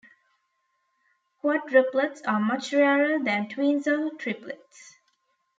Quadruplets are much rarer than twins or triplets.